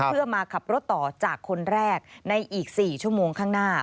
เพื่อมาขับรถต่อจากคนแรกในอีก๔ชั่วโมงข้างหน้า